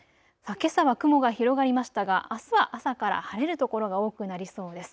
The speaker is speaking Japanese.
けさは雲が広がりましたがあすは朝から晴れる所が多くなりなりそうです。